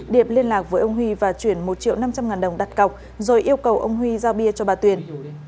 điệp liên lạc với ông huy và chuyển một triệu năm trăm linh ngàn đồng đặt cọc rồi yêu cầu ông huy giao bia cho bà tuyền